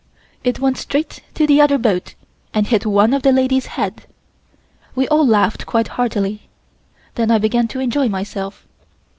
It went straight to the other boat and hit one of the ladies' head. We all laughed quite heartily. Then I began to enjoy myself.